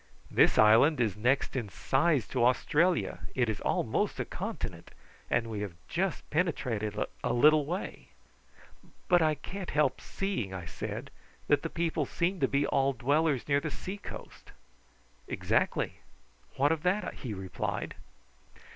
This island is next in size to Australia. It is almost a continent, and we have just penetrated a little way." "But I can't help seeing," I said, "that the people seem to be all dwellers near the sea coast." "Exactly. What of that?" he replied.